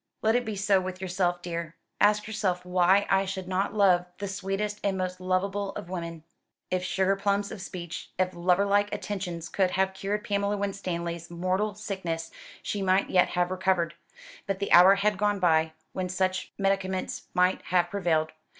Let it be so with yourself, dear. Ask yourself why I should not love the sweetest and most lovable of women." If sugarplums of speech, if loverlike attentions could have cured Pamela Winstanley's mortal sickness, she might yet have recovered. But the hour had gone by when such medicaments might have prevailed.